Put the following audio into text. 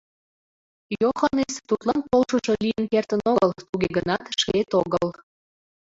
Йоханнес тудлан полшышо лийын кертын огыл, туге гынат — шкет огыл.